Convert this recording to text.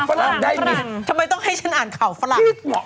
ฝรั่งได้สิทำไมต้องให้ฉันอ่านข่าวฝรั่ง